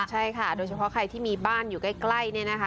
ใช่ค่ะโดยเฉพาะใครที่มีบ้านอยู่ใกล้เนี่ยนะคะ